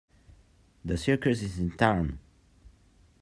The circus is in town!.